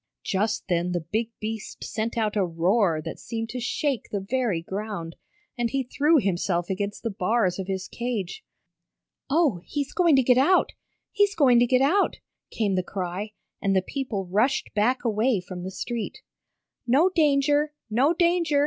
Just then the big beast sent out a roar that seemed to shake the very ground, and he threw himself against the bars of his cage. "Oh, he's going to get out! He's going to get out!" came the cry and the people rushed back away from the street. "No danger! No danger!"